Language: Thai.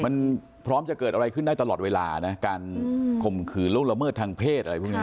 มันพร้อมจะเกิดอะไรขึ้นได้ตลอดเวลานะการข่มขืนล่วงละเมิดทางเพศอะไรพวกนี้